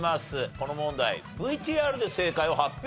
この問題ＶＴＲで正解を発表したいと思います。